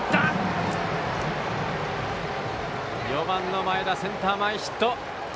４番の前田センター前ヒット。